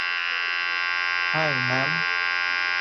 High, ma'am.